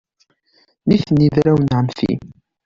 Nitni d arraw n ɛemmti.